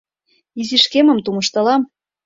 Изиш кемым тумыштылам.